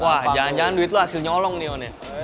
wah jangan jangan duit lu hasilnya olong nih on ya